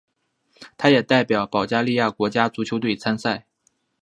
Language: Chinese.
他也代表保加利亚国家足球队参赛。